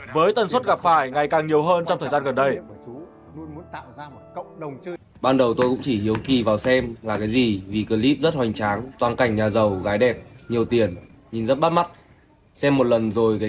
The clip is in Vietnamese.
với tần suất gặp phải ngày càng nhiều hơn trong thời gian gần đây